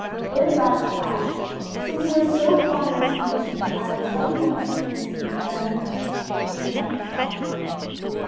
Rhoda's eyes flashed. "Since you are so fond of explanations, I will tell you one or two things that you had better know things about yourself."